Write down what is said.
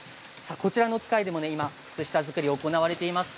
こちらの機械でも今、靴下作り行われています。